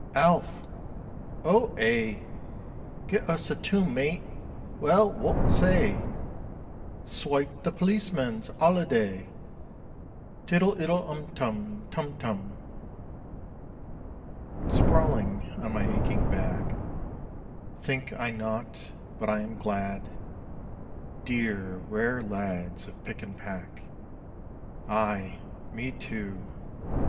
"Alf!" "O ay." "Gi' us a tune, mate." "Well, wot say?" "Swipe 'The Policeman's 'Oliday'...." "Tiddle iddle um tum, Tum TUM." Sprawling on my aching back, Think I nought; but I am glad Dear, rare lads of pick and pack! Aie me too!